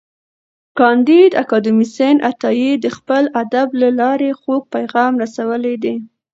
کانديد اکاډميسن عطایي د خپل ادب له لارې خوږ پیغام رسولی دی.